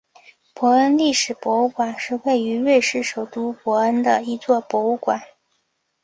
伯恩历史博物馆是位于瑞士首都伯恩的一座博物馆。